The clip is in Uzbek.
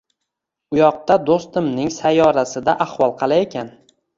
uyoqda, do‘stimning sayyorasida ahvol qalay ekan?